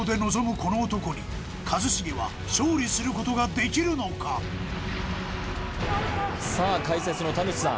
この男に一茂は勝利することができるのかさあ解説の田口さん